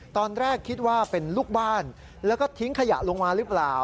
ตอนแรกคิดว่าเป็นลูกบ้านแล้วก็ทิ้งขยะลงมาหรือเปล่า